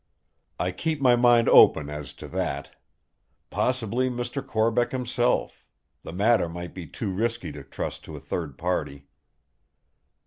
"I keep my mind open as to that. Possibly Mr. Corbeck himself; the matter might be too risky to trust to a third party."